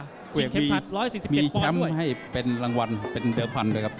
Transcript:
สินเข็มพันธุ์๑๔๗ปอนด์ด้วยมีแคมป์ให้เป็นรางวัลเป็นเดิมพันธุ์เลยครับ